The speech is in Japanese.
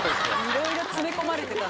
いろいろ詰め込まれてたな。